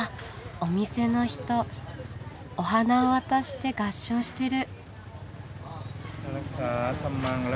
お店の人お花を渡して合掌してる。